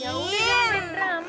ya udah main drama